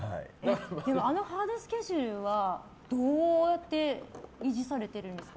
あのハードスケジュールはどうやって維持されてるんですか？